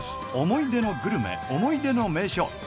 思い出のグルメ、思い出の名所